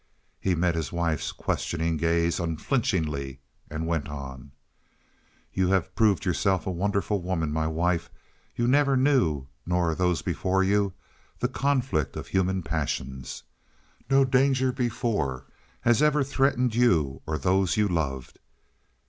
He met his wife's questioning gaze unflinchingly and went on: "You have proved yourself a wonderful woman, my wife. You never knew nor those before you the conflict of human passions. No danger before has ever threatened you or those you loved."